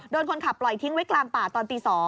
คนขับปล่อยทิ้งไว้กลางป่าตอนตี๒